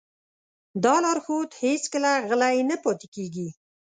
دا لارښود هېڅکله غلی نه پاتې کېږي.